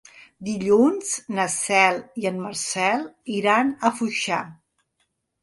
Dilluns na Cel i en Marcel iran a Foixà.